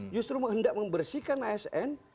justru kita hendak membersihkan asn